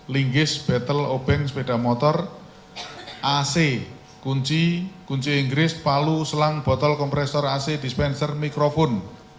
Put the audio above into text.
linggis battle obeng sepeda motor ac kunci kunci inggris palu selang botol kompresor ac dispenser mikrofon